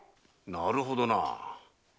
なるほどな。